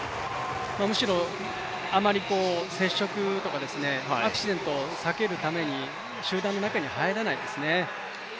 むしろあまり接触とか、アクシデントを避けるために集団の中には入らないですね。